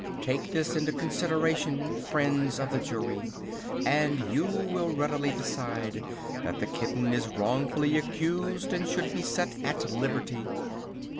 "Take this into consideration, friends of the Jury, and you will readily decide that the kitten is wrongfully accused and should be set at liberty."